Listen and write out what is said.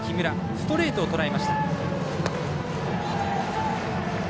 ストレートをとらえました。